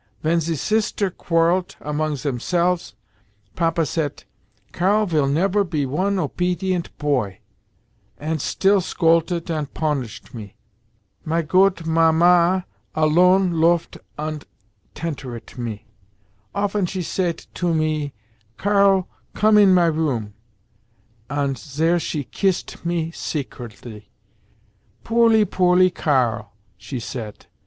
Ven ze sister quarrellet among zemselves Papa sayt, 'Karl vill never be one opedient poy,' ant still scoltet ant ponishet me. My goot Mamma alone loaft ant tenteret me. Often she sayt to me, 'Karl, come in my room,' ant zere she kisset me secretly. 'Poorly, poorly Karl!' she sayt.